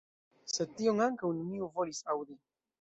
Sed tion ankaŭ neniu volis aŭdi.